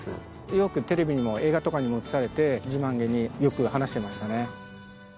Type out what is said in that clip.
よくテレビにも映画とかにも映されて自慢げによく話してましたね。